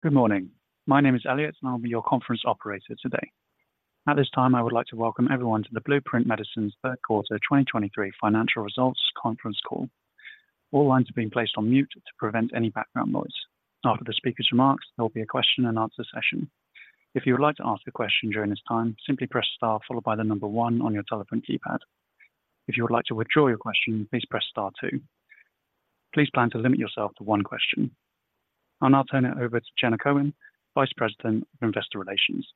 Good morning. My name is Elliot, and I'll be your conference operator today. At this time, I would like to welcome everyone to the Blueprint Medicines' Third Quarter 2023 Financial Results Conference Call. All lines are being placed on mute to prevent any background noise. After the speaker's remarks, there will be a question and answer session. If you would like to ask a question during this time, simply press star followed by the number one on your telephone keypad. If you would like to withdraw your question, please press star two. Please plan to limit yourself to one question. I'll now turn it over to Jenna Cohen, Vice President of Investor Relations.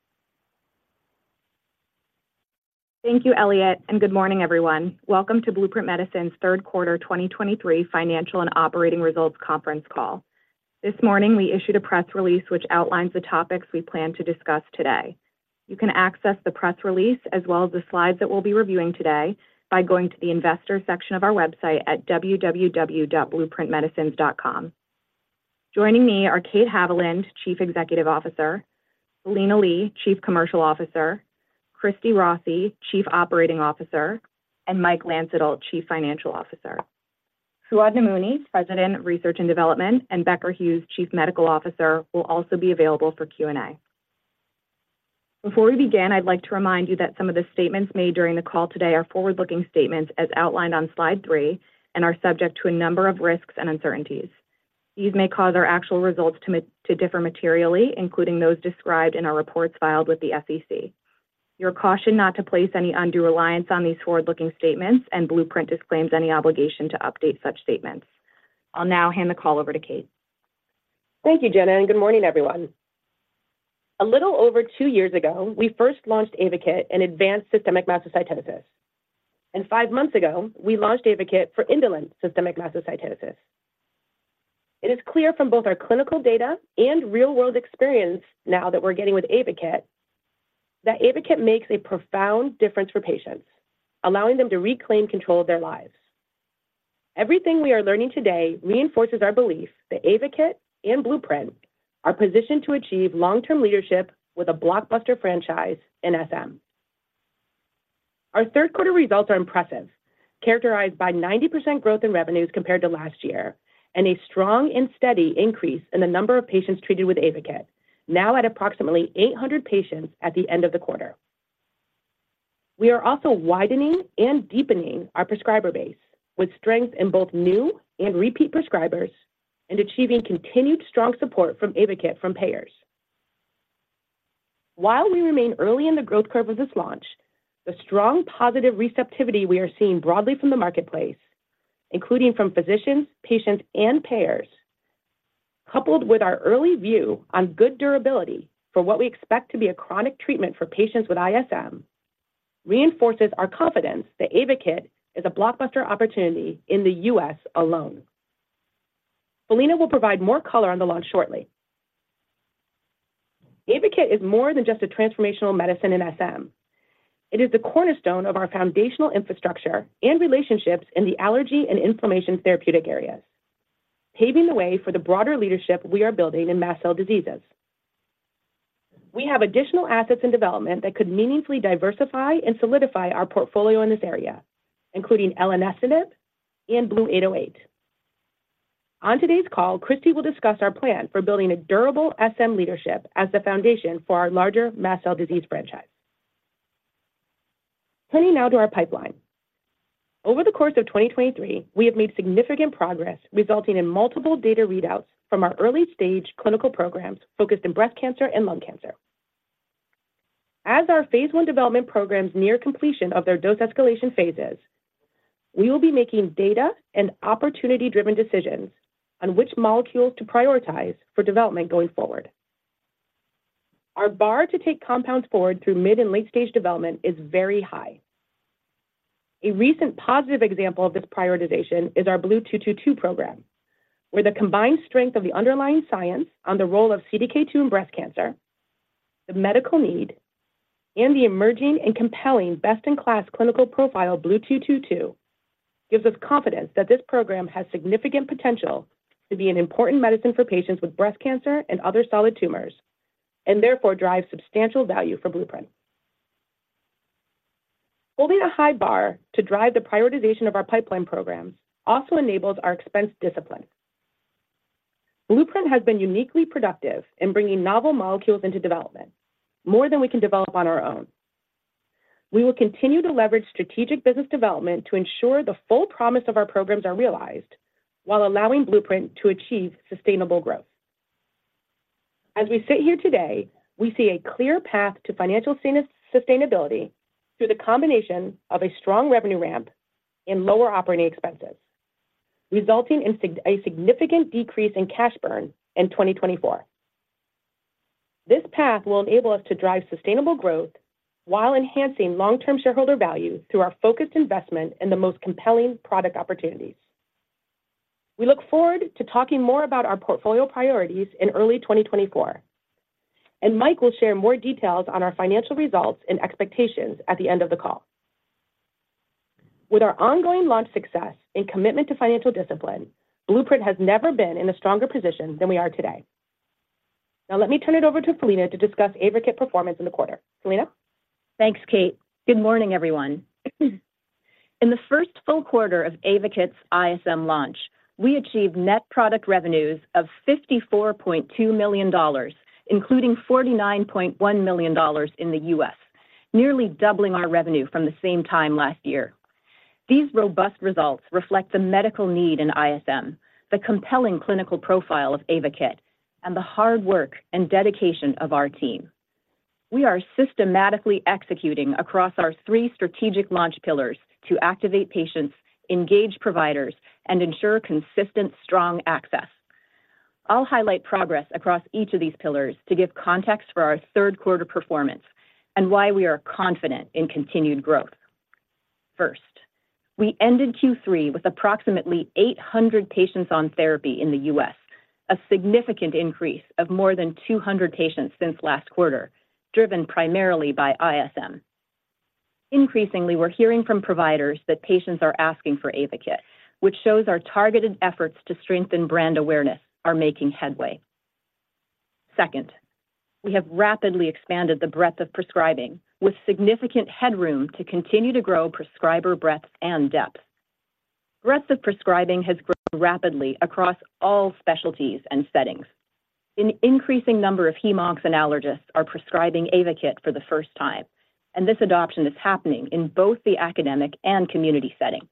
Thank you, Elliot, and good morning, everyone. Welcome to Blueprint Medicines' third quarter 2023 financial and operating results conference call. This morning, we issued a press release, which outlines the topics we plan to discuss today. You can access the press release as well as the slides that we'll be reviewing today by going to the investor section of our website at www.blueprintmedicines.com. Joining me are Kate Haviland, Chief Executive Officer, Philina Lee, Chief Commercial Officer, Christina Rossi, Chief Operating Officer, and Mike Landsittel, Chief Financial Officer. Fouad Namouni, President of Research and Development, and Becker Hewes, Chief Medical Officer, will also be available for Q&A. Before we begin, I'd like to remind you that some of the statements made during the call today are forward-looking statements, as outlined on slide three, and are subject to a number of risks and uncertainties. These may cause our actual results to differ materially, including those described in our reports filed with the SEC. You're cautioned not to place any undue reliance on these forward-looking statements, and Blueprint disclaims any obligation to update such statements. I'll now hand the call over to Kate. Thank you, Jenna, and good morning, everyone. A little over two years ago, we first launched AYVAKIT, an advanced systemic mastocytosis. Five months ago, we launched AYVAKIT for indolent systemic mastocytosis. It is clear from both our clinical data and real-world experience now that we're getting with AYVAKIT, that AYVAKIT makes a profound difference for patients, allowing them to reclaim control of their lives. Everything we are learning today reinforces our belief that AYVAKIT and Blueprint are positioned to achieve long-term leadership with a blockbuster franchise in SM. Our third quarter results are impressive, characterized by 90% growth in revenues compared to last year and a strong and steady increase in the number of patients treated with AYVAKIT, now at approximately 800 patients at the end of the quarter. We are also widening and deepening our prescriber base with strength in both new and repeat prescribers and achieving continued strong support from AYVAKIT from payers. While we remain early in the growth curve of this launch, the strong positive receptivity we are seeing broadly from the marketplace, including from physicians, patients, and payers, coupled with our early view on good durability for what we expect to be a chronic treatment for patients with ISM, reinforces our confidence that AYVAKIT is a blockbuster opportunity in the U.S. alone. Philina will provide more color on the launch shortly. AYVAKIT is more than just a transformational medicine in SM. It is the cornerstone of our foundational infrastructure and relationships in the allergy and inflammation therapeutic areas, paving the way for the broader leadership we are building in mast cell diseases. We have additional assets in development that could meaningfully diversify and solidify our portfolio in this area, including elenestinib and BLU-808. On today's call, Christi will discuss our plan for building a durable SM leadership as the foundation for our larger mast cell disease franchise. Turning now to our pipeline. Over the course of 2023, we have made significant progress, resulting in multiple data readouts from our early-stage clinical programs focused in breast cancer and lung cancer. As our phase I development programs near completion of their dose escalation phases, we will be making data and opportunity-driven decisions on which molecules to prioritize for development going forward. Our bar to take compounds forward through mid- and late-stage development is very high. A recent positive example of this prioritization is our BLU-222 program, where the combined strength of the underlying science on the role of CDK2 in breast cancer, the medical need, and the emerging and compelling best-in-class clinical profile BLU-222, gives us confidence that this program has significant potential to be an important medicine for patients with breast cancer and other solid tumors, and therefore drives substantial value for Blueprint. Holding a high bar to drive the prioritization of our pipeline programs also enables our expense discipline. Blueprint has been uniquely productive in bringing novel molecules into development, more than we can develop on our own. We will continue to leverage strategic business development to ensure the full promise of our programs are realized while allowing Blueprint to achieve sustainable growth. As we sit here today, we see a clear path to financial sustainability through the combination of a strong revenue ramp and lower operating expenses, resulting in a significant decrease in cash burn in 2024. This path will enable us to drive sustainable growth while enhancing long-term shareholder value through our focused investment in the most compelling product opportunities. We look forward to talking more about our portfolio priorities in early 2024, and Mike will share more details on our financial results and expectations at the end of the call. With our ongoing launch success and commitment to financial discipline, Blueprint has never been in a stronger position than we are today. Now, let me turn it over to Philina to discuss AYVAKIT performance in the quarter. Philina? Thanks, Kate. Good morning, everyone.... In the first full quarter of AYVAKIT's ISM launch, we achieved net product revenues of $54.2 million, including $49.1 million in the U.S., nearly doubling our revenue from the same time last year. These robust results reflect the medical need in ISM, the compelling clinical profile of AYVAKIT, and the hard work and dedication of our team. We are systematically executing across our three strategic launch pillars to activate patients, engage providers, and ensure consistent, strong access. I'll highlight progress across each of these pillars to give context for our third quarter performance and why we are confident in continued growth. First, we ended Q3 with approximately 800 patients on therapy in the U.S., a significant increase of more than 200 patients since last quarter, driven primarily by ISM. Increasingly, we're hearing from providers that patients are asking for AYVAKIT, which shows our targeted efforts to strengthen brand awareness are making headway. Second, we have rapidly expanded the breadth of prescribing, with significant headroom to continue to grow prescriber breadth and depth. Breadth of prescribing has grown rapidly across all specialties and settings. An increasing number of hemoncs and allergists are prescribing AYVAKIT for the first time, and this adoption is happening in both the academic and community setting.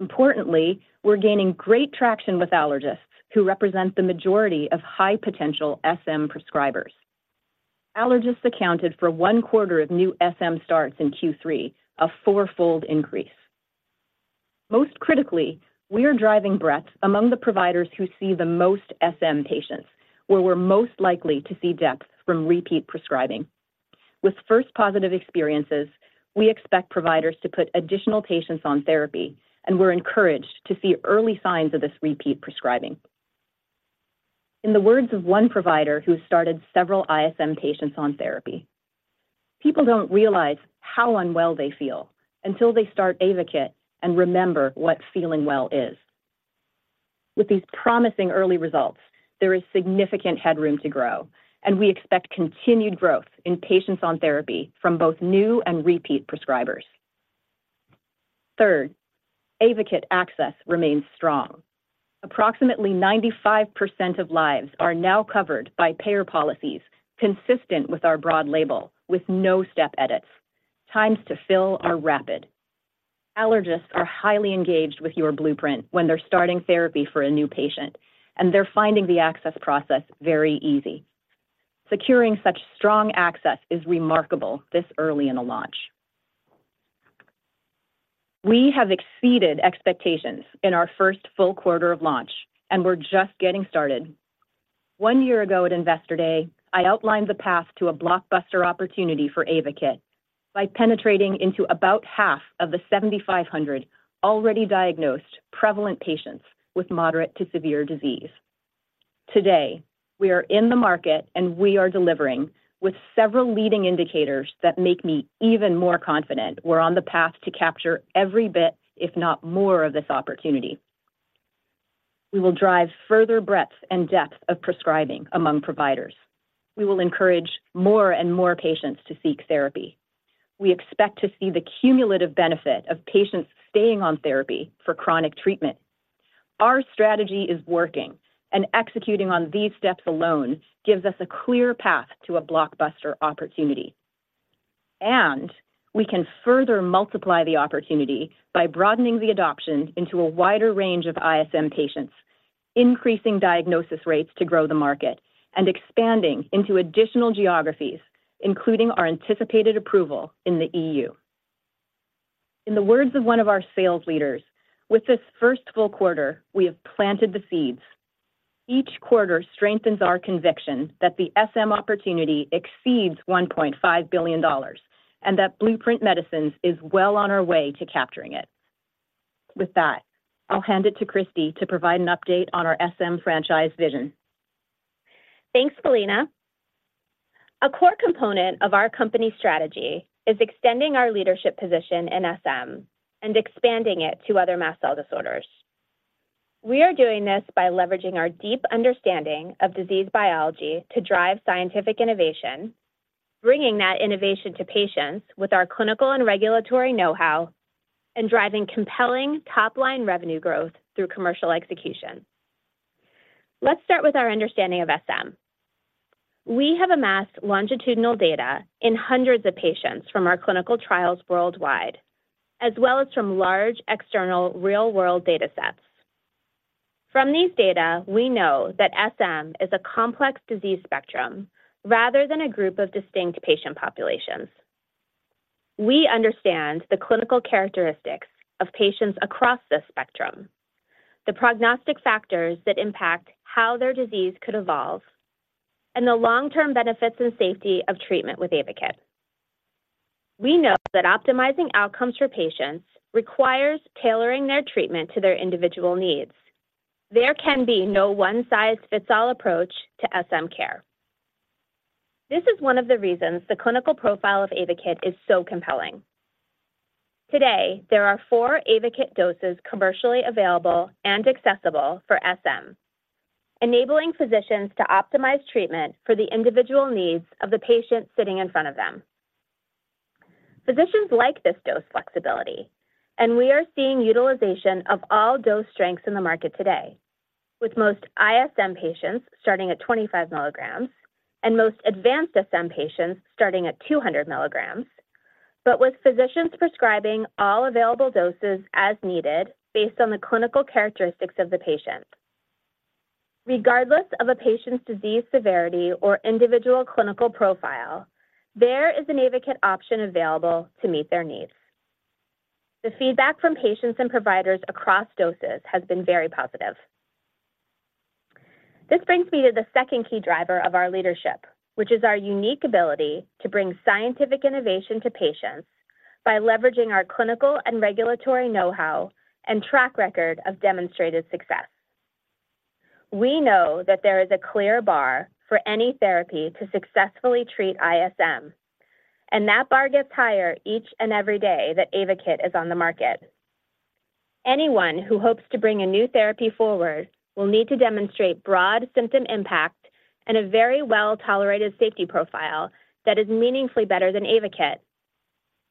Importantly, we're gaining great traction with allergists, who represent the majority of high-potential SM prescribers. Allergists accounted for one quarter of new SM starts in Q3, a four-fold increase. Most critically, we are driving breadth among the providers who see the most SM patients, where we're most likely to see depth from repeat prescribing. With first positive experiences, we expect providers to put additional patients on therapy, and we're encouraged to see early signs of this repeat prescribing. In the words of one provider who started several ISM patients on therapy, "People don't realize how unwell they feel until they start AYVAKIT and remember what feeling well is." With these promising early results, there is significant headroom to grow, and we expect continued growth in patients on therapy from both new and repeat prescribers. Third, AYVAKIT access remains strong. Approximately 95% of lives are now covered by payer policies, consistent with our broad label, with no step edits. Times to fill are rapid. Allergists are highly engaged with YourBlueprint when they're starting therapy for a new patient, and they're finding the access process very easy. Securing such strong access is remarkable this early in a launch. We have exceeded expectations in our first full quarter of launch, and we're just getting started. One year ago at Investor Day, I outlined the path to a blockbuster opportunity for AYVAKIT by penetrating into about half of the 7,500 already diagnosed prevalent patients with moderate to severe disease. Today, we are in the market, and we are delivering with several leading indicators that make me even more confident we're on the path to capture every bit, if not more, of this opportunity. We will drive further breadth and depth of prescribing among providers. We will encourage more and more patients to seek therapy. We expect to see the cumulative benefit of patients staying on therapy for chronic treatment. Our strategy is working, and executing on these steps alone gives us a clear path to a blockbuster opportunity. We can further multiply the opportunity by broadening the adoption into a wider range of ISM patients, increasing diagnosis rates to grow the market, and expanding into additional geographies, including our anticipated approval in the EU. In the words of one of our sales leaders, "With this first full quarter, we have planted the seeds." Each quarter strengthens our conviction that the SM opportunity exceeds $1.5 billion and that Blueprint Medicines is well on our way to capturing it. With that, I'll hand it to Christy to provide an update on our SM franchise vision. Thanks, Philina. A core component of our company strategy is extending our leadership position in SM and expanding it to other mast cell disorders. We are doing this by leveraging our deep understanding of disease biology to drive scientific innovation, bringing that innovation to patients with our clinical and regulatory know-how, and driving compelling top-line revenue growth through commercial execution. Let's start with our understanding of SM. We have amassed longitudinal data in hundreds of patients from our clinical trials worldwide, as well as from large external real-world data sets. From these data, we know that SM is a complex disease spectrum rather than a group of distinct patient populations. We understand the clinical characteristics of patients across this spectrum, the prognostic factors that impact how their disease could evolve, and the long-term benefits and safety of treatment with AYVAKIT. We know that optimizing outcomes for patients requires tailoring their treatment to their individual needs. There can be no one-size-fits-all approach to SM care. This is one of the reasons the clinical profile of AYVAKIT is so compelling. Today, there are four AYVAKIT doses commercially available and accessible for SM, enabling physicians to optimize treatment for the individual needs of the patient sitting in front of them. Physicians like this dose flexibility, and we are seeing utilization of all dose strengths in the market today, with most ISM patients starting at 25 milligrams and most advanced SM patients starting at 200 milligrams, but with physicians prescribing all available doses as needed based on the clinical characteristics of the patient. Regardless of a patient's disease severity or individual clinical profile, there is an AYVAKIT option available to meet their needs. The feedback from patients and providers across doses has been very positive. This brings me to the second key driver of our leadership, which is our unique ability to bring scientific innovation to patients by leveraging our clinical and regulatory know-how and track record of demonstrated success. We know that there is a clear bar for any therapy to successfully treat ISM, and that bar gets higher each and every day that AYVAKIT is on the market. Anyone who hopes to bring a new therapy forward will need to demonstrate broad symptom impact and a very well-tolerated safety profile that is meaningfully better than AYVAKIT,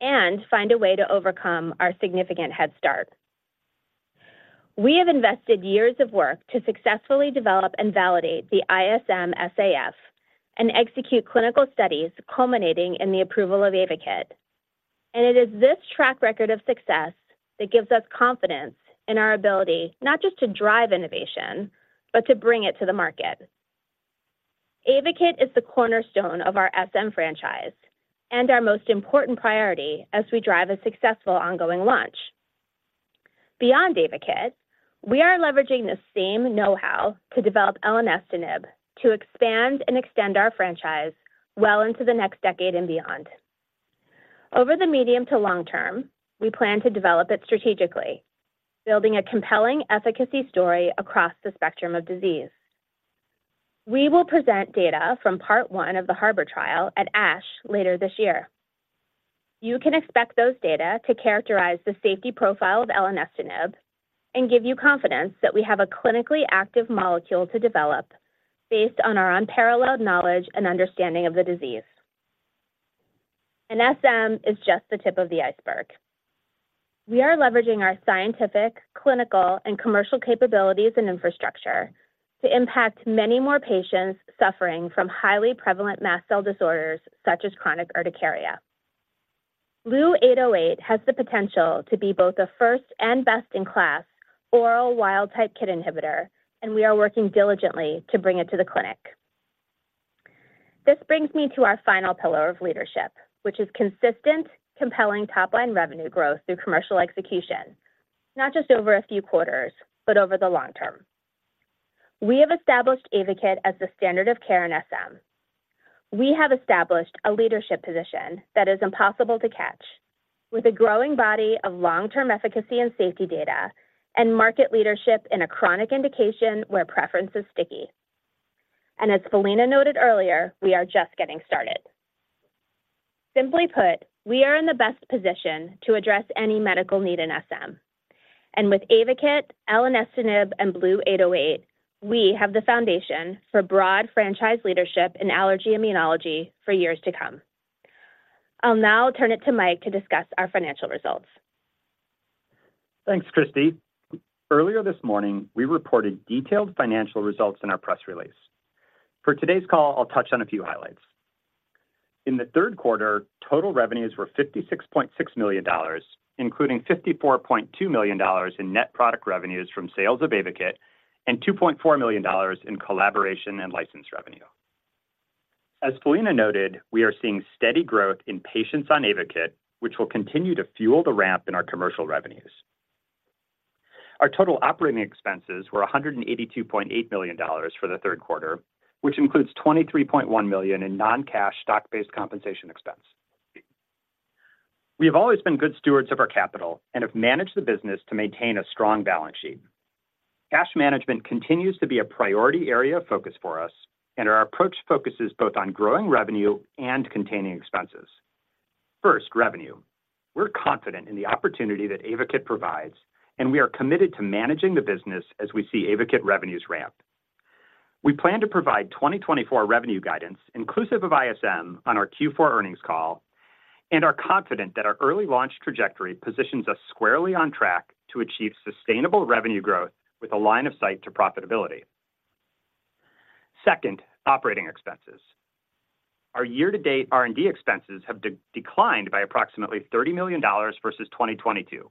and find a way to overcome our significant head start. We have invested years of work to successfully develop and validate the ISM-SAF and execute clinical studies culminating in the approval of AYVAKIT. It is this track record of success that gives us confidence in our ability not just to drive innovation, but to bring it to the market. AYVAKIT is the cornerstone of our SM franchise and our most important priority as we drive a successful ongoing launch. Beyond AYVAKIT, we are leveraging the same know-how to develop elenestinib to expand and extend our franchise well into the next decade and beyond. Over the medium to long term, we plan to develop it strategically, building a compelling efficacy story across the spectrum of disease. We will present data from part one of the HARBOR trial at ASH later this year. You can expect those data to characterize the safety profile of elenestinib and give you confidence that we have a clinically active molecule to develop based on our unparalleled knowledge and understanding of the disease. SM is just the tip of the iceberg. We are leveraging our scientific, clinical, and commercial capabilities and infrastructure to impact many more patients suffering from highly prevalent mast cell disorders such as chronic urticaria. BLU-808 has the potential to be both a first and best-in-class oral wild-type KIT inhibitor, and we are working diligently to bring it to the clinic. This brings me to our final pillar of leadership, which is consistent, compelling top-line revenue growth through commercial execution, not just over a few quarters, but over the long term. We have established AYVAKIT as the standard of care in SM. We have established a leadership position that is impossible to catch, with a growing body of long-term efficacy and safety data and market leadership in a chronic indication where preference is sticky. And as Philina noted earlier, we are just getting started. Simply put, we are in the best position to address any medical need in SM, and with AYVAKIT, elenestinib, and BLU-808, we have the foundation for broad franchise leadership in allergy immunology for years to come. I'll now turn it to Mike to discuss our financial results. Thanks, Christy. Earlier this morning, we reported detailed financial results in our press release. For today's call, I'll touch on a few highlights. In the third quarter, total revenues were $56.6 million, including $54.2 million in net product revenues from sales of AYVAKIT and $2.4 million in collaboration and license revenue. As Philina noted, we are seeing steady growth in patients on AYVAKIT, which will continue to fuel the ramp in our commercial revenues. Our total operating expenses were $182.8 million for the third quarter, which includes $23.1 million in non-cash stock-based compensation expense. We have always been good stewards of our capital and have managed the business to maintain a strong balance sheet. Cash management continues to be a priority area of focus for us, and our approach focuses both on growing revenue and containing expenses. First, revenue. We're confident in the opportunity that AYVAKIT provides, and we are committed to managing the business as we see AYVAKIT revenues ramp. We plan to provide 2024 revenue guidance inclusive of ISM on our Q4 earnings call and are confident that our early launch trajectory positions us squarely on track to achieve sustainable revenue growth with a line of sight to profitability. Second, operating expenses. Our year-to-date R&D expenses have declined by approximately $30 million versus 2022.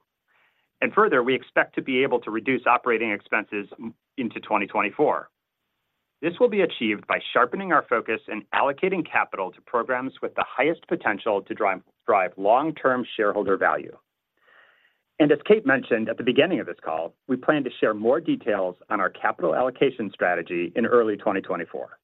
Further, we expect to be able to reduce operating expenses into 2024. This will be achieved by sharpening our focus and allocating capital to programs with the highest potential to drive long-term shareholder value. As Kate mentioned at the beginning of this call, we plan to share more details on our capital allocation strategy in early 2024.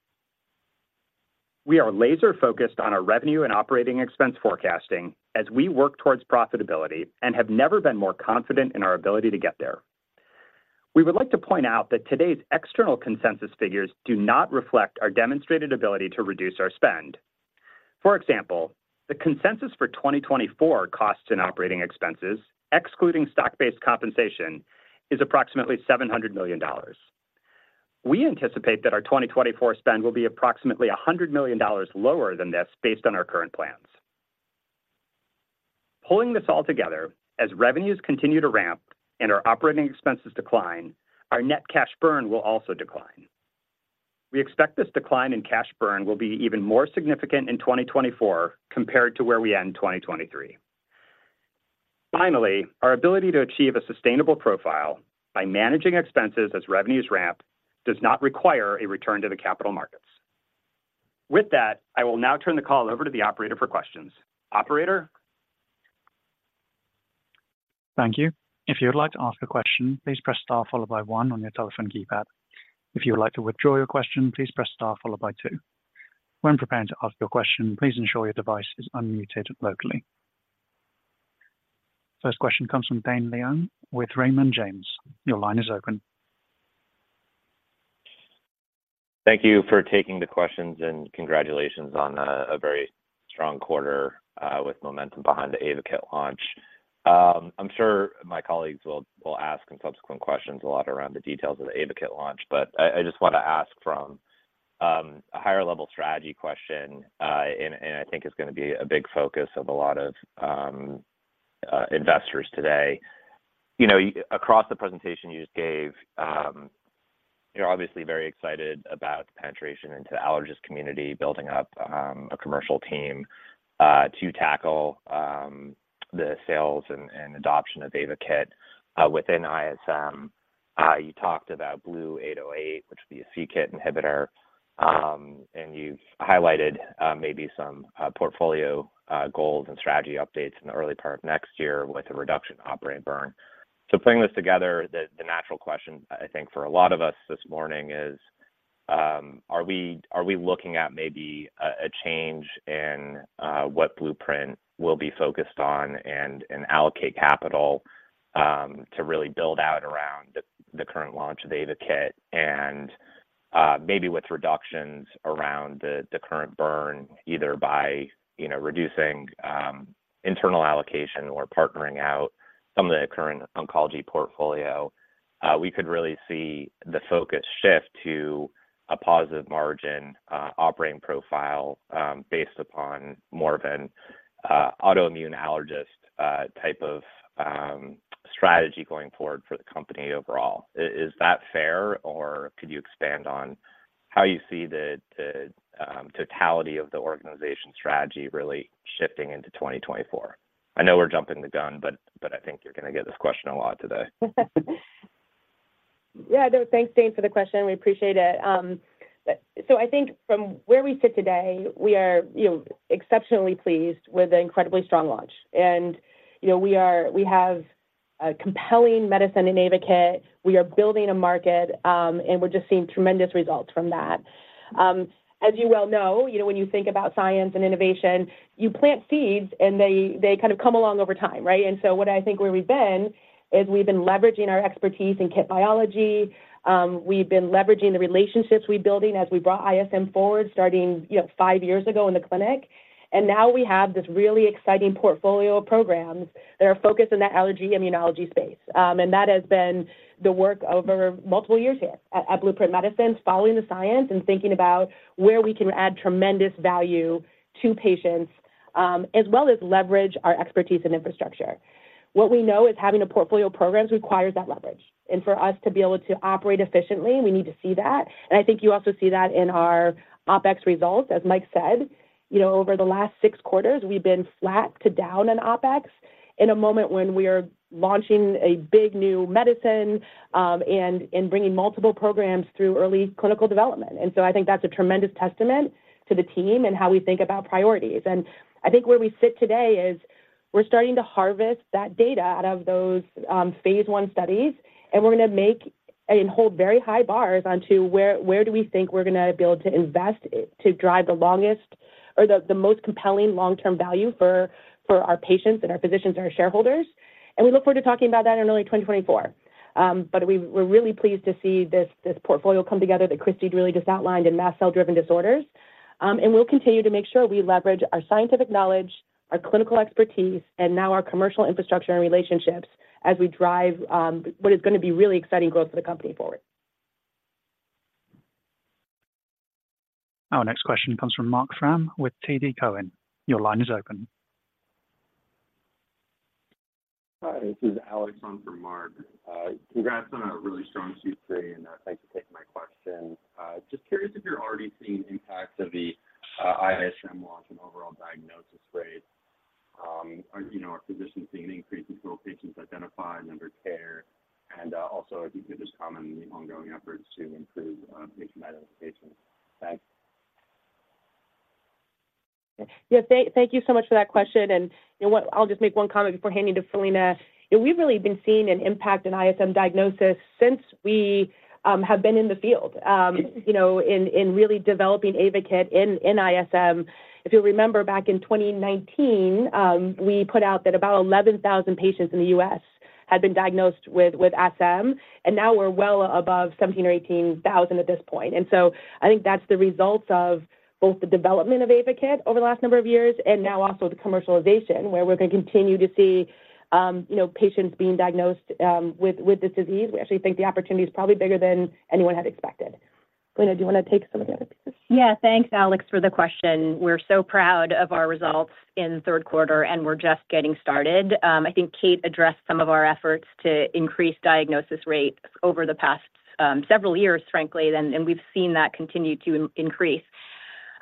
We are laser-focused on our revenue and operating expense forecasting as we work towards profitability and have never been more confident in our ability to get there. We would like to point out that today's external consensus figures do not reflect our demonstrated ability to reduce our spend.... For example, the consensus for 2024 costs and operating expenses, excluding stock-based compensation, is approximately $700 million. We anticipate that our 2024 spend will be approximately $100 million lower than this based on our current plans. Pulling this all together, as revenues continue to ramp and our operating expenses decline, our net cash burn will also decline. We expect this decline in cash burn will be even more significant in 2024 compared to where we end in 2023. Finally, our ability to achieve a sustainable profile by managing expenses as revenues ramp, does not require a return to the capital markets. With that, I will now turn the call over to the operator for questions. Operator? Thank you. If you would like to ask a question, please press star followed by one on your telephone keypad. If you would like to withdraw your question, please press star followed by two. When preparing to ask your question, please ensure your device is unmuted locally. First question comes from Dane Leone with Raymond James. Your line is open. Thank you for taking the questions, and congratulations on a very strong quarter with momentum behind the AYVAKIT launch. I'm sure my colleagues will ask in subsequent questions a lot around the details of the AYVAKIT launch. But I just want to ask from a higher-level strategy question, and I think it's gonna be a big focus of a lot of investors today. You know, across the presentation you just gave, you're obviously very excited about penetration into the allergist community, building up a commercial team to tackle the sales and adoption of AYVAKIT within ISM. You talked about BLU-808, which would be a KIT inhibitor, and you've highlighted maybe some portfolio goals and strategy updates in the early part of next year with a reduction in operating burn. So putting this together, the natural question, I think, for a lot of us this morning is, are we looking at maybe a change in what Blueprint will be focused on and allocate capital to really build out around the current launch of AYVAKIT? And, maybe with reductions around the current burn, either by, you know, reducing internal allocation or partnering out some of the current oncology portfolio, we could really see the focus shift to a positive margin operating profile, based upon more of an autoimmune allergist type of strategy going forward for the company overall. Is that fair, or could you expand on how you see the totality of the organization's strategy really shifting into 2024? I know we're jumping the gun, but I think you're gonna get this question a lot today. Yeah, no, thanks, Dane, for the question. We appreciate it. So I think from where we sit today, we are, you know, exceptionally pleased with an incredibly strong launch. And, you know, we are, we have a compelling medicine in AYVAKIT. We are building a market, and we're just seeing tremendous results from that. As you well know, you know, when you think about science and innovation, you plant seeds, and they, they kind of come along over time, right? And so what I think where we've been, is we've been leveraging our expertise in KIT biology. We've been leveraging the relationships we're building as we brought ISM forward, starting, you know, five years ago in the clinic. And now we have this really exciting portfolio of programs that are focused in that allergy immunology space. And that has been the work over multiple years here at Blueprint Medicines, following the science and thinking about where we can add tremendous value to patients, as well as leverage our expertise and infrastructure. What we know is having a portfolio of programs requires that leverage, and for us to be able to operate efficiently, we need to see that. And I think you also see that in our OpEx results. As Mike said, you know, over the last six quarters, we've been flat to down in OpEx in a moment when we are launching a big new medicine, and bringing multiple programs through early clinical development. And so I think that's a tremendous testament to the team and how we think about priorities. I think where we sit today is, we're starting to harvest that data out of those phase I studies, and we're gonna make and hold very high bars onto where, where do we think we're gonna be able to invest to drive the longest or the, the most compelling long-term value for, for our patients and our physicians and our shareholders. We look forward to talking about that in early 2024. But we're really pleased to see this, this portfolio come together that Christy really just outlined in mast cell-driven disorders. And we'll continue to make sure we leverage our scientific knowledge, our clinical expertise, and now our commercial infrastructure and relationships as we drive what is gonna be really exciting growth for the company forward. Our next question comes from Marc Frahm with TD Cowen. Your line is open. Hi, this is Alex on for Mark. Congrats on a really strong Q3, and thanks for taking my question. Just curious if you're already seeing impacts of the ISM launch and overall diagnosis rate. Are, you know, are physicians seeing an increase in total patients identified under care? And also, if you could just comment on the ongoing efforts to improve patient identification. Thanks. Yeah, thank, thank you so much for that question, and you know what? I'll just make one comment before handing to Philina. We've really been seeing an impact in ISM diagnosis since we have been in the field, you know, in really developing AYVAKIT in ISM. If you remember, back in 2019, we put out that about 11,000 patients in the U.S. had been diagnosed with SM, and now we're well above 17,000 or 18,000 at this point. And so I think that's the results of both the development of AYVAKIT over the last number of years and now also the commercialization, where we're going to continue to see, you know, patients being diagnosed with this disease. We actually think the opportunity is probably bigger than anyone had expected. Selina, do you want to take some of the other pieces? Yeah. Thanks, Alex, for the question. We're so proud of our results in the third quarter, and we're just getting started. I think Kate addressed some of our efforts to increase diagnosis rate over the past several years, frankly, and we've seen that continue to increase.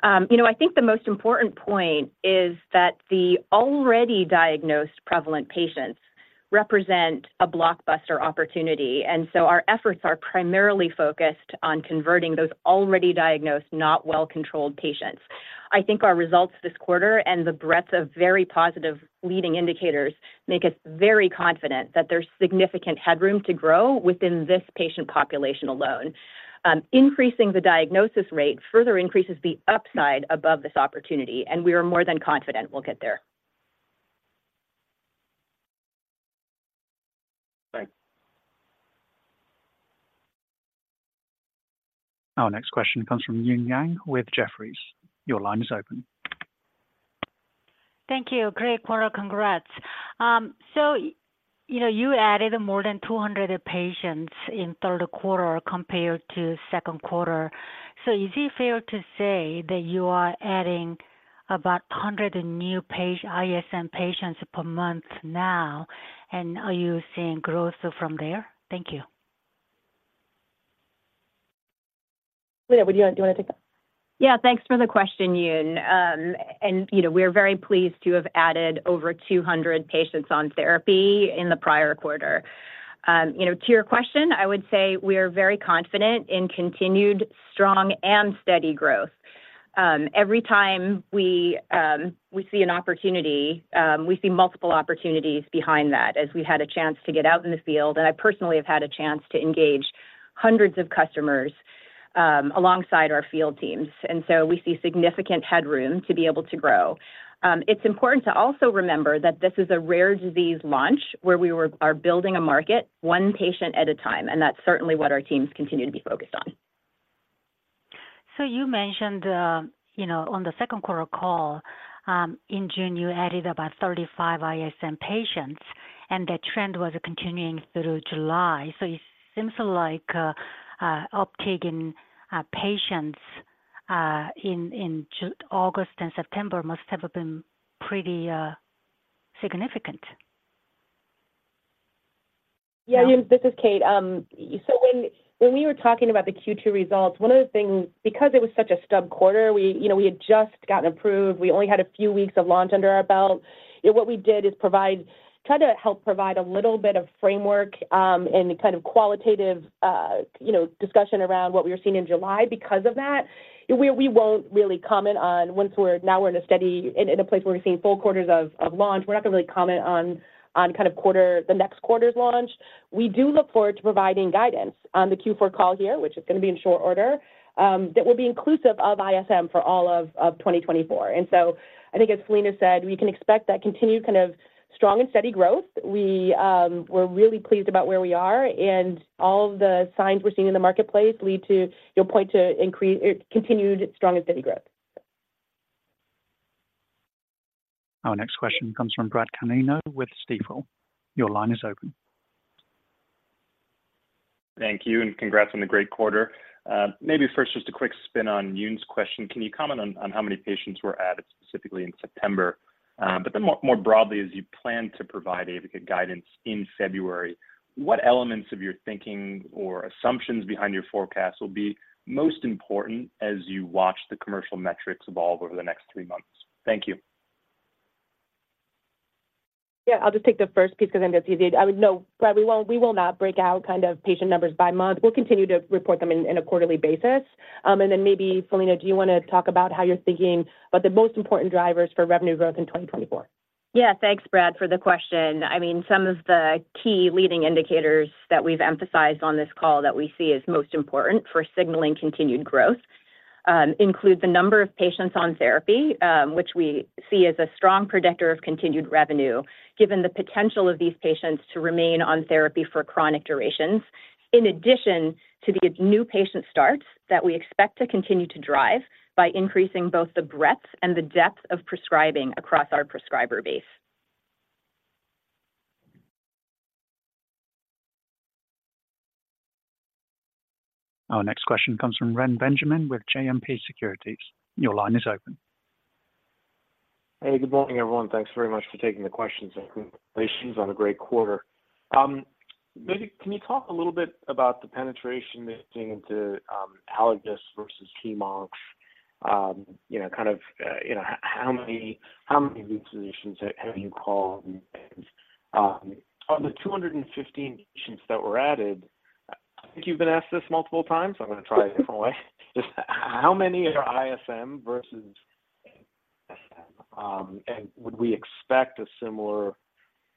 You know, I think the most important point is that the already diagnosed prevalent patients represent a blockbuster opportunity, and so our efforts are primarily focused on converting those already diagnosed, not well-controlled patients. I think our results this quarter and the breadth of very positive leading indicators make us very confident that there's significant headroom to grow within this patient population alone. Increasing the diagnosis rate further increases the upside above this opportunity, and we are more than confident we'll get there. Thanks. Our next question comes from Eun Yang with Jefferies. Your line is open. Thank you. Great quarter. Congrats. So you know, you added more than 200 patients in third quarter compared to second quarter. So is it fair to say that you are adding about 100 new patient, ISM patients per month now, and are you seeing growth from there? Thank you. Philina, do you want to take that? Yeah, thanks for the question, Yun. You know, we're very pleased to have added over 200 patients on therapy in the prior quarter. You know, to your question, I would say we are very confident in continued strong and steady growth. Every time we see an opportunity, we see multiple opportunities behind that, as we had a chance to get out in the field, and I personally have had a chance to engage hundreds of customers alongside our field teams, and so we see significant headroom to be able to grow. It's important to also remember that this is a rare disease launch where we are building a market, one patient at a time, and that's certainly what our teams continue to be focused on. So you mentioned, you know, on the second quarter call, in June, you added about 35 ISM patients, and the trend was continuing through July. So it seems like, uptake in patients in August and September must have been pretty significant. Yeah, Yun, this is Kate. So when we were talking about the Q2 results, one of the things, because it was such a stub quarter, you know, we had just gotten approved. We only had a few weeks of launch under our belt. What we did is provide, tried to help provide a little bit of framework, and kind of qualitative, you know, discussion around what we were seeing in July because of that. We won't really comment on once we're, now we're in a steady, in a place where we're seeing full quarters of launch. We're not going to really comment on kind of quarter, the next quarter's launch. We do look forward to providing guidance on the Q4 call here, which is going to be in short order, that will be inclusive of ISM for all of 2024. And so I think as Selvine said, we can expect that continued kind of strong and steady growth. We, we're really pleased about where we are and all the signs we're seeing in the marketplace lead to, you know, point to increase, continued strong and steady growth. Our next question comes from Brad Canino with Stifel. Your line is open. Thank you, and congrats on the great quarter. Maybe first, just a quick spin on Yun's question. Can you comment on how many patients were added, specifically in September? But then more broadly, as you plan to provide AYVAKIT guidance in February, what elements of your thinking or assumptions behind your forecast will be most important as you watch the commercial metrics evolve over the next three months? Thank you. Yeah, I'll just take the first piece because then it's easy. No, Brad, we will, we will not break out kind of patient numbers by month. We'll continue to report them in, in a quarterly basis. And then maybe, Selvine, do you want to talk about how you're thinking about the most important drivers for revenue growth in 2024? Yeah. Thanks, Brad, for the question. I mean, some of the key leading indicators that we've emphasized on this call that we see as most important for signaling continued growth, include the number of patients on therapy, which we see as a strong predictor of continued revenue, given the potential of these patients to remain on therapy for chronic durations. In addition to the new patient starts that we expect to continue to drive by increasing both the breadth and the depth of prescribing across our prescriber base. Our next question comes from Ren Benjamin with JMP Securities. Your line is open. Hey, good morning, everyone. Thanks very much for taking the questions and congratulations on a great quarter. Maybe can you talk a little bit about the penetration into allergists versus Temox? You know, kind of, you know, how many, how many of these physicians have you called? Of the 215 patients that were added, I think you've been asked this multiple times, so I'm going to try a different way. Just how many are ISM versus SM? And would we expect a similar...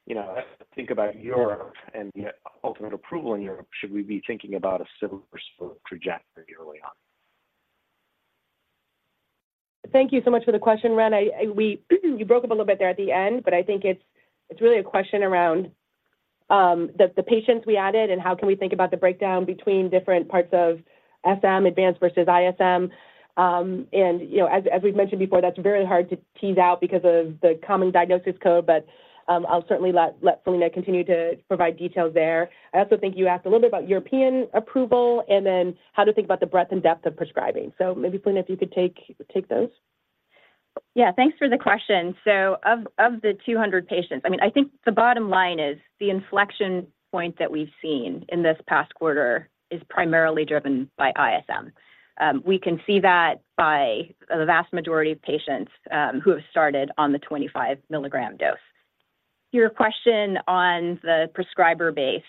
You know, think about Europe and the ultimate approval in Europe. Should we be thinking about a similar sort of trajectory early on?... Thank you so much for the question, Ren. We, you broke up a little bit there at the end, but I think it's really a question around the patients we added and how can we think about the breakdown between different parts of SM, advanced versus ISM. And, you know, as we've mentioned before, that's very hard to tease out because of the common diagnosis code, but I'll certainly let Philina continue to provide details there. I also think you asked a little bit about European approval and then how to think about the breadth and depth of prescribing. So maybe, Philina, if you could take those. Yeah, thanks for the question. So of the 200 patients... I mean, I think the bottom line is the inflection point that we've seen in this past quarter is primarily driven by ISM. We can see that by the vast majority of patients who have started on the 25 milligram dose. Your question on the prescriber base,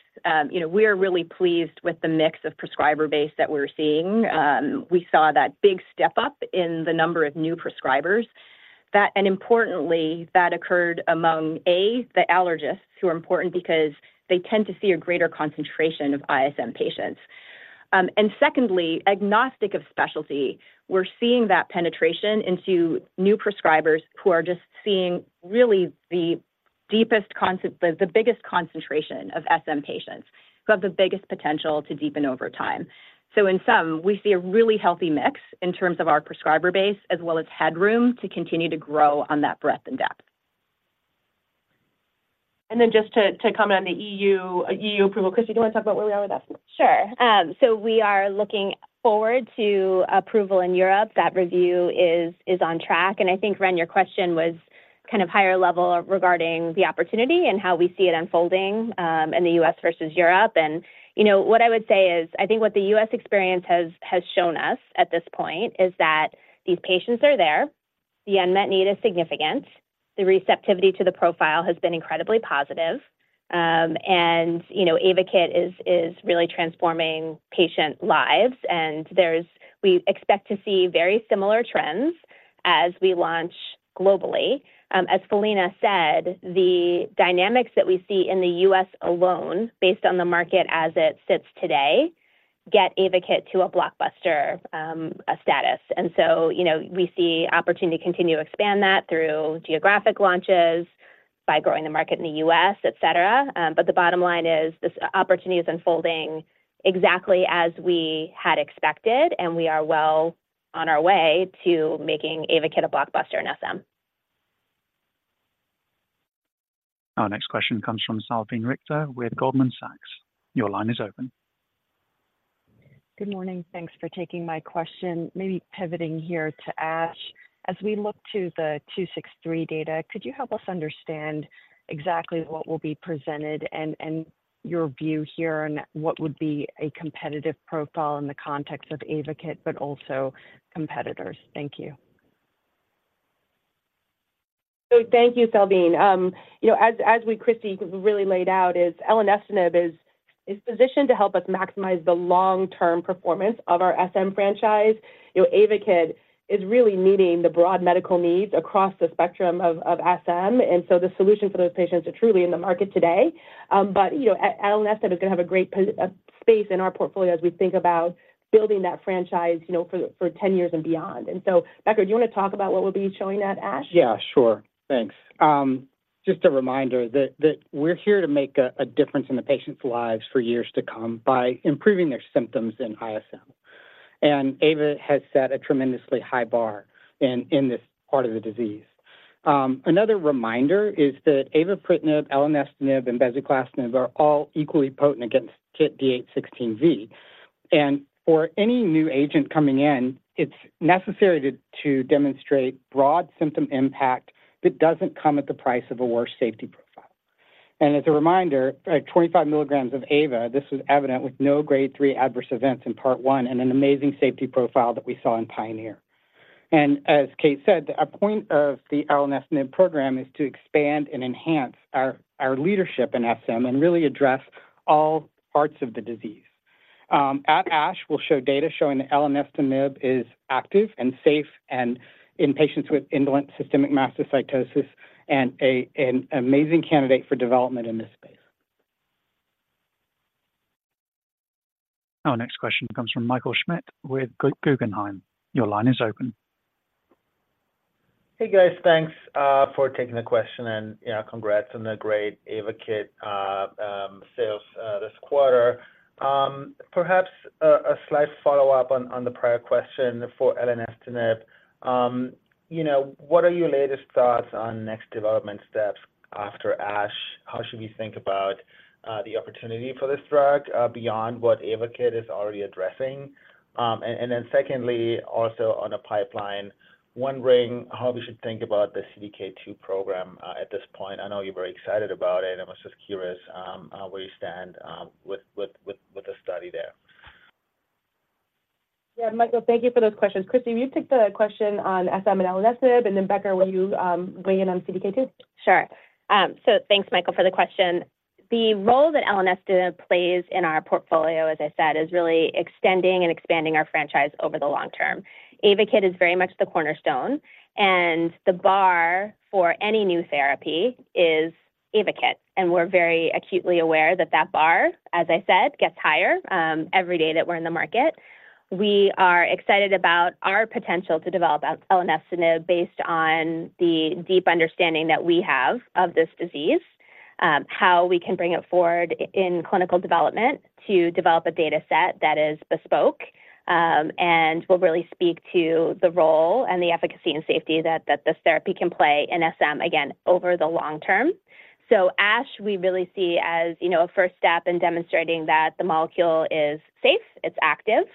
you know, we are really pleased with the mix of prescriber base that we're seeing. We saw that big step up in the number of new prescribers. That and importantly, that occurred among, A, the allergists, who are important because they tend to see a greater concentration of ISM patients. And secondly, agnostic of specialty, we're seeing that penetration into new prescribers who are just seeing really the deepest concent the biggest concentration of SM patients, who have the biggest potential to deepen over time. In sum, we see a really healthy mix in terms of our prescriber base, as well as headroom to continue to grow on that breadth and depth. And then just to comment on the EU approval. Christy, do you want to talk about where we are with that? Sure. So we are looking forward to approval in Europe. That review is on track, and I think, Ren, your question was kind of higher level regarding the opportunity and how we see it unfolding, in the U.S. versus Europe. And, you know, what I would say is, I think what the U.S. experience has shown us at this point is that these patients are there, the unmet need is significant, the receptivity to the profile has been incredibly positive, and, you know, AYVAKIT is really transforming patient lives. And there's we expect to see very similar trends as we launch globally. As Philina said, the dynamics that we see in the U.S. alone, based on the market as it sits today, get AYVAKIT to a blockbuster status. And so, you know, we see opportunity to continue to expand that through geographic launches, by growing the market in the U.S., et cetera. But the bottom line is this opportunity is unfolding exactly as we had expected, and we are well on our way to making AYVAKIT a blockbuster in SM. Our next question comes from Salveen Richter with Goldman Sachs. Your line is open. Good morning. Thanks for taking my question. Maybe pivoting here to ASH. As we look to the 263 data, could you help us understand exactly what will be presented and, and your view here on what would be a competitive profile in the context of AYVAKIT, but also competitors? Thank you. So thank you, Selvine. You know, as we, Christy, really laid out, elenestinib is positioned to help us maximize the long-term performance of our SM franchise. You know, AYVAKIT is really meeting the broad medical needs across the spectrum of SM, and so the solutions for those patients are truly in the market today. But, you know, elenestinib is gonna have a great position in our portfolio as we think about building that franchise, you know, for 10 years and beyond. So, Becker, do you want to talk about what we'll be showing at ASH? Yeah, sure. Thanks. Just a reminder that that we're here to make a a difference in the patients' lives for years to come by improving their symptoms in ISM. And Ava has set a tremendously high bar in in this part of the disease. Another reminder is that Avapritinib, Elacestrant and Besiclostab are all equally potent against KIT D816V. And for any new agent coming in, it's necessary to to demonstrate broad symptom impact that doesn't come at the price of a worse safety profile. And as a reminder, 25 milligrams of Ava, this was evident with no grade three adverse events in part one and an amazing safety profile that we saw in PIONEER. And as Kate said, the point of the elenestinib program is to expand and enhance our our leadership in SM and really address all parts of the disease. At ASH, we'll show data showing that elenestinib is active and safe in patients with indolent systemic mastocytosis, and an amazing candidate for development in this space. Our next question comes from Michael Schmidt with Guggenheim. Your line is open. Hey, guys. Thanks for taking the question, and, yeah, congrats on the great AYVAKIT sales this quarter. Perhaps a slight follow-up on the prior question for elacestrant. You know, what are your latest thoughts on next development steps after ASH? How should we think about the opportunity for this drug beyond what AYVAKIT is already addressing? And then secondly, also on the pipeline, wondering how we should think about the CDK2 program at this point. I know you're very excited about it, I was just curious where you stand with the study there. Yeah, Michael, thank you for those questions. Christy, will you take the question on SM and Elacestrant, and then, Becker, will you weigh in on CDK2? Sure. So thanks, Michael, for the question. The role that Elacestrant plays in our portfolio, as I said, is really extending and expanding our franchise over the long term. AYVAKIT is very much the cornerstone... and the bar for any new therapy is AYVAKIT, and we're very acutely aware that that bar, as I said, gets higher every day that we're in the market. We are excited about our potential to develop elenestinib, based on the deep understanding that we have of this disease, how we can bring it forward in clinical development to develop a data set that is bespoke and will really speak to the role and the efficacy and safety that this therapy can play in SM, again, over the long term. So ASH, we really see as, you know, a first step in demonstrating that the molecule is safe, it's active.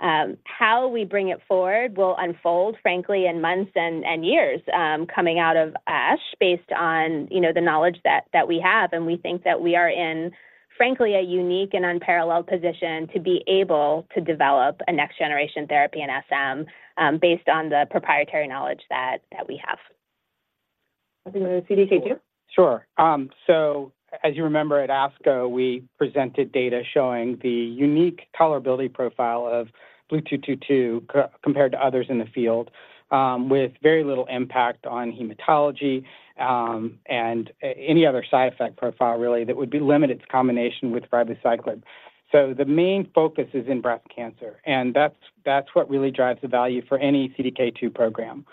How we bring it forward will unfold, frankly, in months and years, coming out of ASH, based on, you know, the knowledge that we have. And we think that we are in, frankly, a unique and unparalleled position to be able to develop a next-generation therapy in SM, based on the proprietary knowledge that we have. Nothing on the CDK2? Sure. So as you remember, at ASCO, we presented data showing the unique tolerability profile of BLU-222, compared to others in the field, with very little impact on hematology, and any other side effect profile, really, that would be limited to combination with ribociclib. So the main focus is in breast cancer, and that's, that's what really drives the value for any CDK2 program.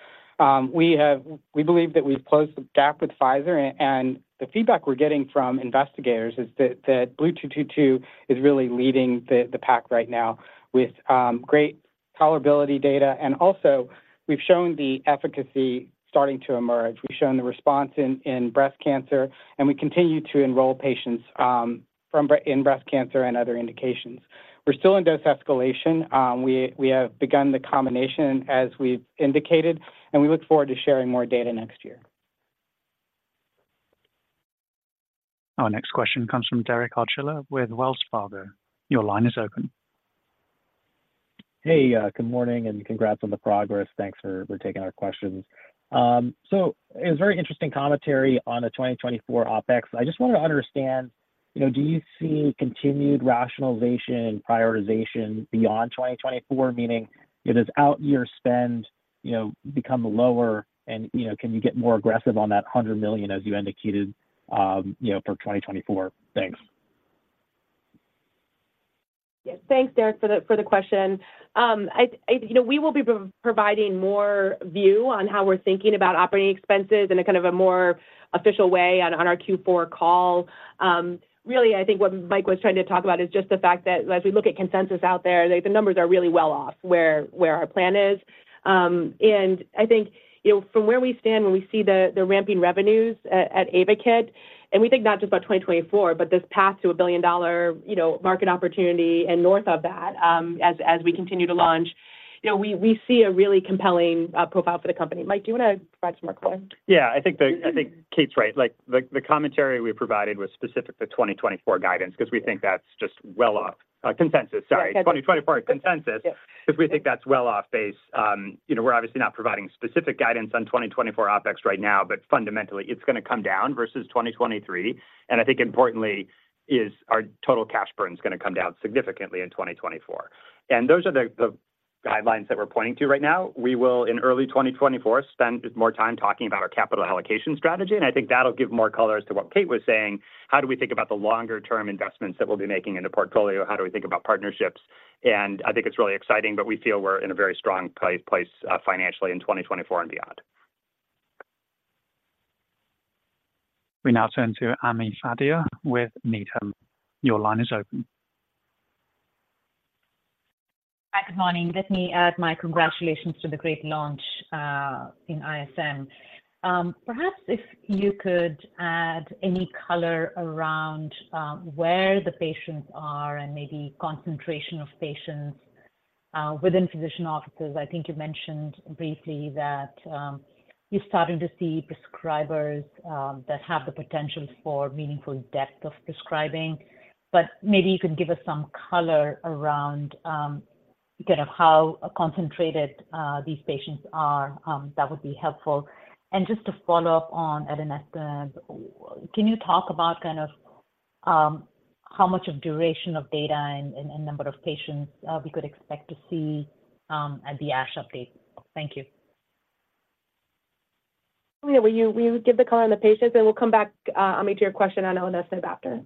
We have-- we believe that we've closed the gap with Pfizer, and, and the feedback we're getting from investigators is that, that BLU-222 is really leading the, the pack right now with, great tolerability data, and also we've shown the efficacy starting to emerge. We've shown the response in, in breast cancer, and we continue to enroll patients, from bre-- in breast cancer and other indications. We're still in dose escalation. We have begun the combination, as we've indicated, and we look forward to sharing more data next year. Our next question comes from Derek Archila with Wells Fargo. Your line is open. Hey, good morning, and congrats on the progress. Thanks for taking our questions. So it was very interesting commentary on the 2024 OpEx. I just wanted to understand, you know, do you see continued rationalization and prioritization beyond 2024? Meaning, does out-year spend, you know, become lower and, you know, can you get more aggressive on that $100 million, as you indicated, you know, for 2024? Thanks. Yeah. Thanks, Derek, for the question. You know, we will be providing more view on how we're thinking about operating expenses in a kind of a more official way on our Q4 call. Really, I think what Mike was trying to talk about is just the fact that as we look at consensus out there, the numbers are really well off, where our plan is. And I think, you know, from where we stand, when we see the ramping revenues at AYVAKIT, and we think not just about 2024, but this path to a billion-dollar, you know, market opportunity and north of that, as we continue to launch, you know, we see a really compelling profile for the company. Mike, do you want to provide some more color? Yeah, I think that- Mm-hmm. I think Kate's right. Like, the commentary we provided was specific to 2024 guidance 'cause we think that's just well off consensus, sorry. Yeah, consensus. 2024 consensus- Yeah... 'cause we think that's well off base. You know, we're obviously not providing specific guidance on 2024 OpEx right now, but fundamentally, it's gonna come down versus 2023, and I think importantly is our total cash burn is gonna come down significantly in 2024. And those are the guidelines that we're pointing to right now. We will, in early 2024, spend more time talking about our capital allocation strategy, and I think that'll give more color as to what Kate was saying. How do we think about the longer-term investments that we'll be making in the portfolio? How do we think about partnerships? And I think it's really exciting, but we feel we're in a very strong place financially in 2024 and beyond. We now turn to Ami Fadia with Needham. Your line is open. Hi, good morning. Let me add my congratulations to the great launch in ISM. Perhaps if you could add any color around where the patients are and maybe concentration of patients within physician offices. I think you mentioned briefly that you're starting to see prescribers that have the potential for meaningful depth of prescribing, but maybe you can give us some color around kind of how concentrated these patients are. That would be helpful. And just to follow up on elenestinib, can you talk about kind of how much of duration of data and number of patients we could expect to see at the ASH update? Thank you. Yeah, will you, will you give the color on the patients, and we'll come back, Ami, to your question on LNS and after?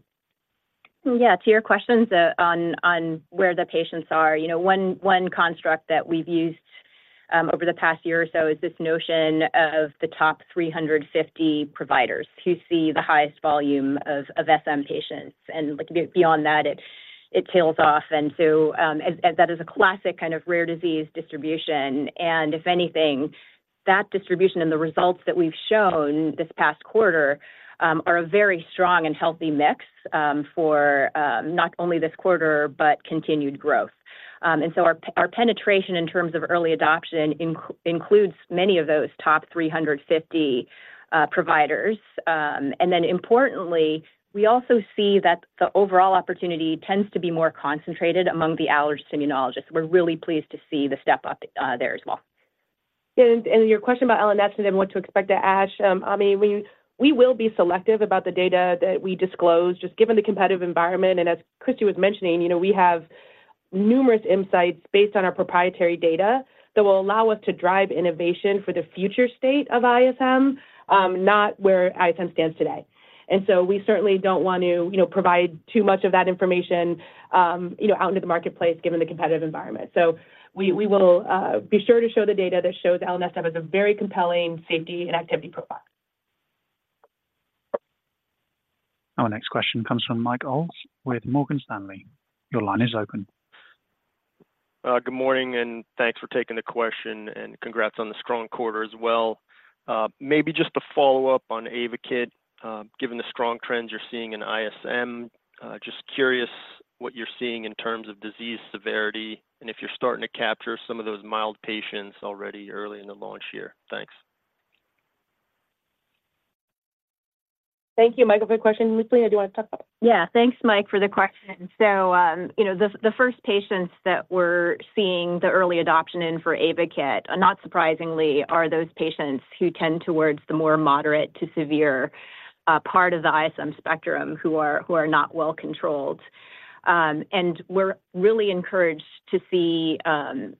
Yeah, to your questions, on where the patients are, you know, one construct that we've used over the past year or so is this notion of the top 350 providers who see the highest volume of SM patients, and, like, beyond that, it tails off. And so, as that is a classic kind of rare disease distribution, and if anything, that distribution and the results that we've shown this past quarter are a very strong and healthy mix for not only this quarter, but continued growth. And so our penetration in terms of early adoption includes many of those top 350 providers. And then importantly, we also see that the overall opportunity tends to be more concentrated among the allergist immunologists. We're really pleased to see the step up, there as well. Yeah, and your question about LNS and then what to expect at ASH, Ami, we will be selective about the data that we disclose, just given the competitive environment, and as Christy was mentioning, you know, we have numerous insights based on our proprietary data that will allow us to drive innovation for the future state of ISM, not where ISM stands today. And so we certainly don't want to, you know, provide too much of that information, you know, out into the marketplace, given the competitive environment. So we will be sure to show the data that shows LNSM has a very compelling safety and activity profile. Our next question comes from Mike Ulz with Morgan Stanley. Your line is open. Good morning, and thanks for taking the question, and congrats on the strong quarter as well. Maybe just to follow up on AYVAKIT, given the strong trends you're seeing in ISM, just curious what you're seeing in terms of disease severity, and if you're starting to capture some of those mild patients already early in the launch year. Thanks. Thank you, Mike, for the question. Leslie, do you want to talk about? Yeah. Thanks, Mike, for the question. So, you know, the first patients that we're seeing the early adoption in for AYVAKIT, not surprisingly, are those patients who tend towards the more moderate to severe part of the ISM spectrum, who are not well controlled. And we're really encouraged to see,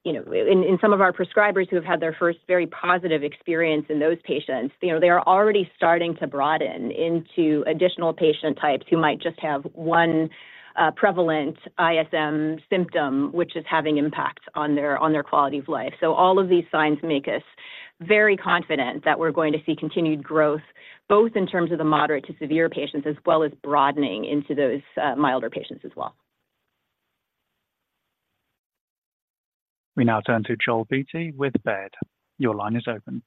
you know, in some of our prescribers who have had their first very positive experience in those patients, you know, they are already starting to broaden into additional patient types who might just have one prevalent ISM symptom, which is having impact on their quality of life. So all of these signs make us very confident that we're going to see continued growth, both in terms of the moderate to severe patients, as well as broadening into those milder patients as well. We now turn to Joel Beatty with Baird. Your line is open.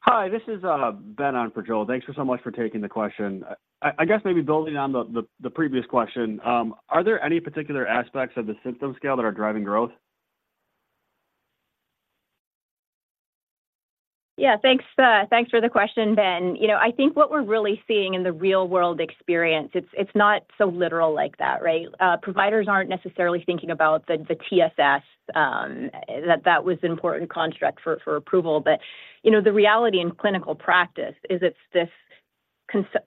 Hi, this is Ben on for Joel. Thanks so much for taking the question. I guess maybe building on the previous question, are there any particular aspects of the symptom scale that are driving growth? Yeah, thanks, thanks for the question, Ben. You know, I think what we're really seeing in the real-world experience, it's not so literal like that, right? Providers aren't necessarily thinking about the TSS that was important construct for approval. But, you know, the reality in clinical practice is it's this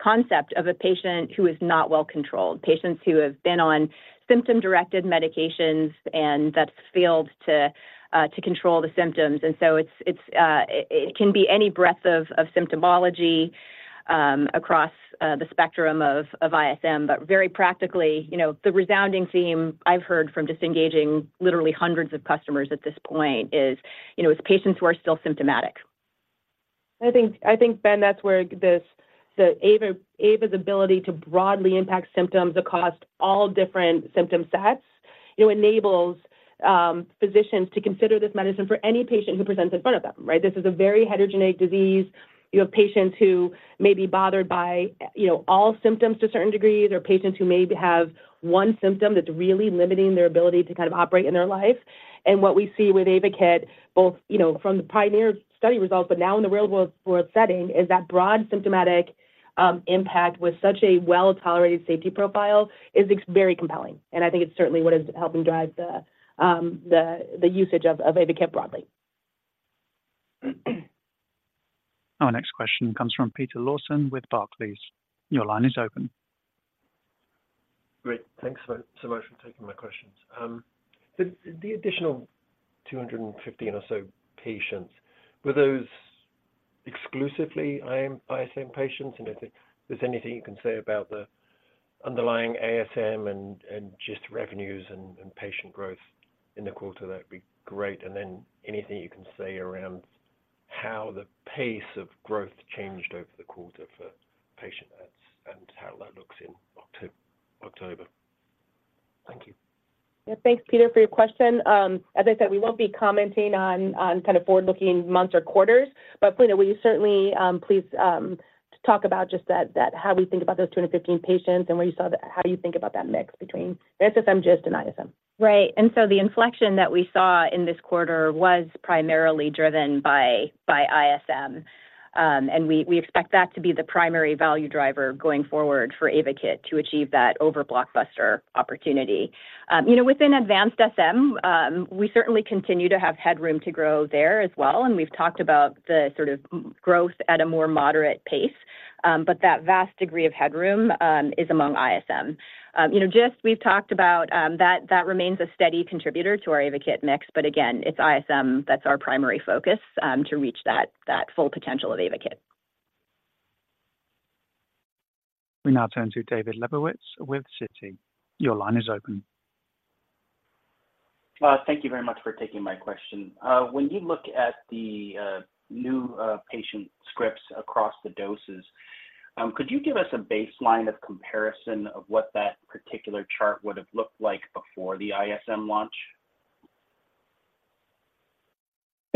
concept of a patient who is not well controlled, patients who have been on symptom-directed medications and that's failed to control the symptoms. And so it can be any breadth of symptomology across the spectrum of ISM. But very practically, you know, the resounding theme I've heard from just engaging literally hundreds of customers at this point is, you know, patients who are still symptomatic. I think, Ben, that's where this, the AYVAKIT's ability to broadly impact symptoms across all different symptom sets, you know, enables physicians to consider this medicine for any patient who presents in front of them, right? This is a very heterogeneous disease. You have patients who may be bothered by, you know, all symptoms to certain degrees, or patients who maybe have one symptom that's really limiting their ability to kind of operate in their life. And what we see with AYVAKIT, both, you know, from the PIONEER study results, but now in the real-world setting, is that broad symptomatic impact with such a well-tolerated safety profile is extremely compelling, and I think it's certainly what is helping drive the usage of AYVAKIT broadly. Our next question comes from Peter Lawson with Barclays. Your line is open. Great. Thanks so, so much for taking my questions. The additional 215 or so patients, were those exclusively ISM patients? And if there's anything you can say about the underlying ASM and just revenues and patient growth in the quarter, that'd be great. And then anything you can say around how the pace of growth changed over the quarter for patient adds and how that looks in October. Thank you. Yeah. Thanks, Peter, for your question. As I said, we won't be commenting on kind of forward-looking months or quarters, but Peter, will you certainly please talk about just that how we think about those 215 patients and where you saw the how you think about that mix between the SSM, GIST, and ISM. Right. And so the inflection that we saw in this quarter was primarily driven by ISM. And we expect that to be the primary value driver going forward for AYVAKIT to achieve that over blockbuster opportunity. You know, within advanced SM, we certainly continue to have headroom to grow there as well, and we've talked about the sort of growth at a more moderate pace. But that vast degree of headroom is among ISM. You know, GIST, we've talked about, that remains a steady contributor to our AYVAKIT mix, but again, it's ISM that's our primary focus to reach that full potential of AYVAKIT. We now turn to David Lebowitz with Citi. Your line is open. Thank you very much for taking my question. When you look at the new patient scripts across the doses, could you give us a baseline of comparison of what that particular chart would have looked like before the ISM launch?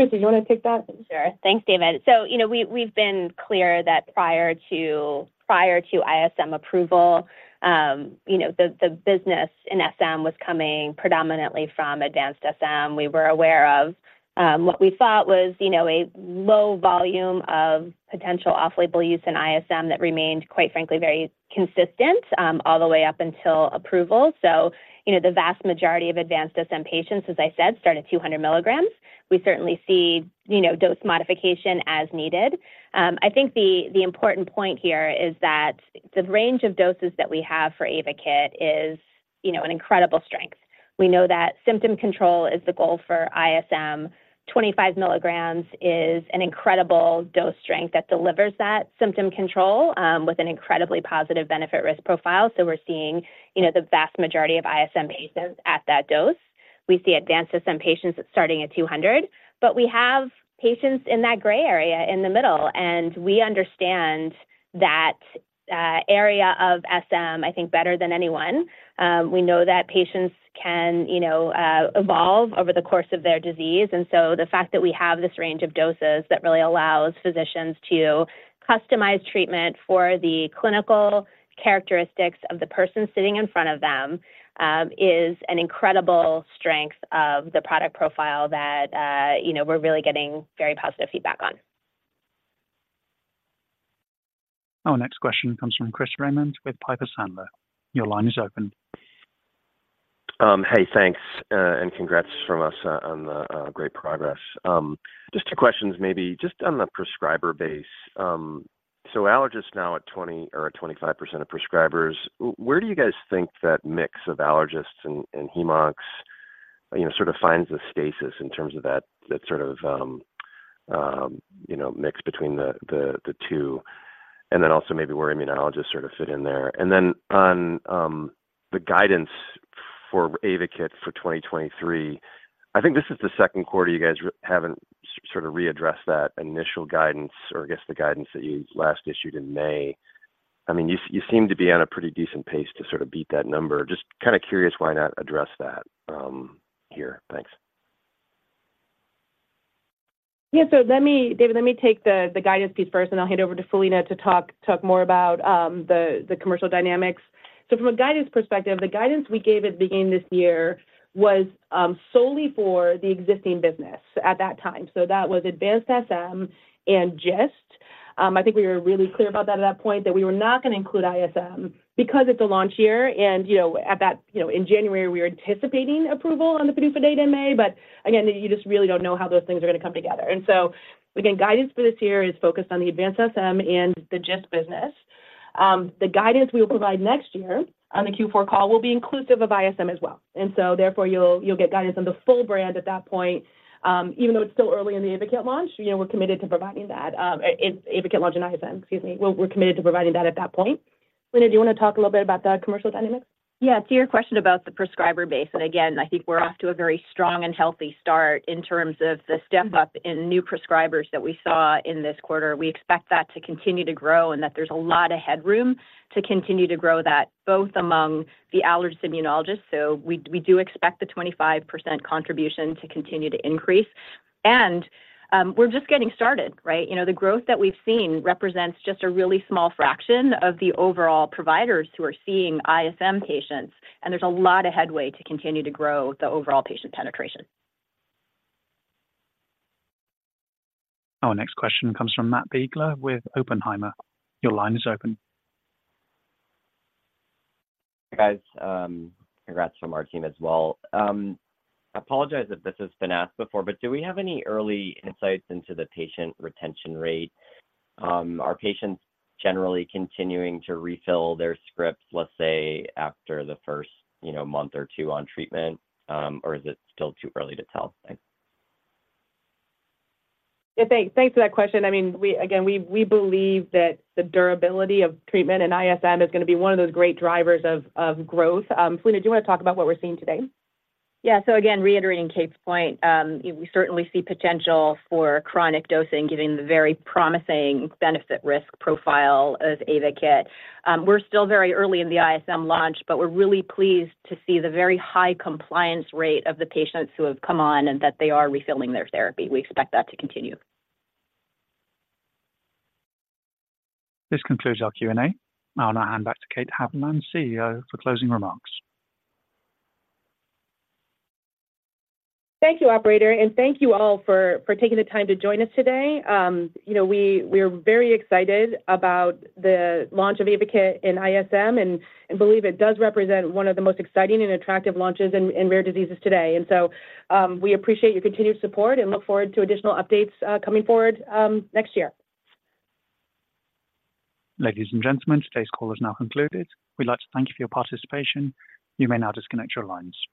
Philina, you want to take that? Sure. Thanks, David. So, you know, we, we've been clear that prior to, prior to ISM approval, you know, the, the business in SM was coming predominantly from advanced SM. We were aware of what we thought was, you know, a low volume of potential off-label use in ISM that remained, quite frankly, very consistent all the way up until approval. So, you know, the vast majority of advanced SM patients, as I said, start at 200 milligrams. We certainly see, you know, dose modification as needed. I think the, the important point here is that the range of doses that we have for AYVAKIT is, you know, an incredible strength. We know that symptom control is the goal for ISM. 25 milligrams is an incredible dose strength that delivers that symptom control with an incredibly positive benefit-risk profile. So we're seeing, you know, the vast majority of ISM patients at that dose. We see advanced SM patients starting at 200, but we have patients in that gray area in the middle, and we understand that area of SM, I think, better than anyone. We know that patients can, you know, evolve over the course of their disease. And so the fact that we have this range of doses that really allows physicians to customize treatment for the clinical characteristics of the person sitting in front of them is an incredible strength of the product profile that, you know, we're really getting very positive feedback on. Our next question comes from Chris Raymond with Piper Sandler. Your line is open. Hey, thanks, and congrats from us on the great progress. Just two questions, maybe just on the prescriber base. So allergists now at 20 or at 25% of prescribers, where do you guys think that mix of allergists and hemocs, you know, sort of finds the stasis in terms of that, that sort of, you know, mix between the two? And then also maybe where immunologists sort of fit in there. And then on the guidance for AYVAKIT for 2023, I think this is the second quarter you guys haven't sort of readdressed that initial guidance or I guess the guidance that you last issued in May. I mean, you seem to be on a pretty decent pace to sort of beat that number. Just kind of curious, why not address that here? Thanks. Yeah. So let me, David, let me take the guidance piece first, and I'll hand over to Philina to talk more about the commercial dynamics. So from a guidance perspective, the guidance we gave at the beginning of this year was solely for the existing business at that time. So that was advanced SM and GIST. I think we were really clear about that at that point, that we were not gonna include ISM because it's a launch year and, you know, at that, you know, in January, we were anticipating approval on the PDUFA date in May. But again, you just really don't know how those things are gonna come together. And so, again, guidance for this year is focused on the advanced SM and the GIST business. The guidance we will provide next year on the Q4 call will be inclusive of ISM as well. And so therefore, you'll get guidance on the full brand at that point, even though it's still early in the AYVAKIT launch, you know, we're committed to providing that in AYVAKIT launch in ISM, excuse me. We're committed to providing that at that point. Philina, do you want to talk a little bit about the commercial dynamics? Yeah. To your question about the prescriber base, and again, I think we're off to a very strong and healthy start in terms of the step up in new prescribers that we saw in this quarter. We expect that to continue to grow and that there's a lot of headroom to continue to grow that, both among the allergist, immunologists. So we, we do expect the 25% contribution to continue to increase, and, we're just getting started, right? You know, the growth that we've seen represents just a really small fraction of the overall providers who are seeing ISM patients, and there's a lot of headway to continue to grow the overall patient penetration. Our next question comes from Matt Biegler with Oppenheimer. Your line is open. Guys, congrats from our team as well. I apologize if this has been asked before, but do we have any early insights into the patient retention rate? Are patients generally continuing to refill their scripts, let's say, after the first, you know, month or two on treatment? Or is it still too early to tell? Thanks. Yeah, thanks. Thanks for that question. I mean, we, again, we, we believe that the durability of treatment in ISM is gonna be one of those great drivers of, of growth. Philina, do you want to talk about what we're seeing today? Yeah. So again, reiterating Kate's point, we certainly see potential for chronic dosing, given the very promising benefit-risk profile of AYVAKIT. We're still very early in the ISM launch, but we're really pleased to see the very high compliance rate of the patients who have come on and that they are refilling their therapy. We expect that to continue. This concludes our Q&A. I'll now hand back to Kate Haviland, CEO, for closing remarks. Thank you, operator, and thank you all for taking the time to join us today. You know, we are very excited about the launch of AYVAKIT in ISM and believe it does represent one of the most exciting and attractive launches in rare diseases today. So, we appreciate your continued support and look forward to additional updates coming forward next year. Ladies and gentlemen, today's call is now concluded. We'd like to thank you for your participation. You may now disconnect your lines.